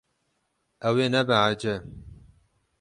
Ew ê nebehece.